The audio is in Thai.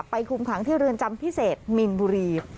คุมขังที่เรือนจำพิเศษมีนบุรี